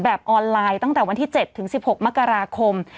ออนไลน์ตั้งแต่วันที่๗ถึง๑๖มกราคม